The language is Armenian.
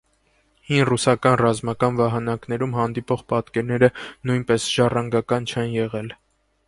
Հին ռուսական ռազմական վահանակներում հանդիպող պատկերները նույնպես ժառանգական չեն եղել։